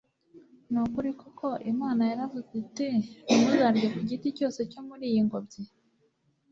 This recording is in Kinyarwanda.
«Ni ukuri koko Imana yaravuze iti : Ntimuzarye ku giti cyose cyo muri iyi ngobyi ?».